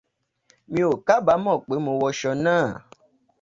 Mí o kàbàámọ̀ pé mo wọ́ aṣọ náà.